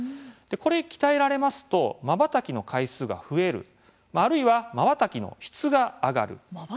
これ鍛えられますとまばたきの回数が増えるあるいは、まばたきの質が上がる。